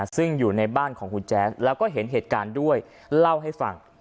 ซึ่งอยู่ในบ้านของคุณแจ๊ดแล้วก็เห็นเหตุการณ์ด้วยเล่าให้ฟัง